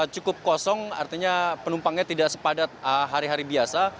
cukup kosong artinya penumpangnya tidak sepadat hari hari biasa